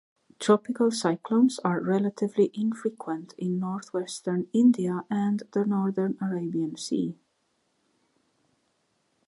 Tropical cyclones are relatively infrequent in northwestern India and the northern Arabian Sea.